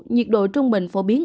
nhiệt độ trung bình phổ biến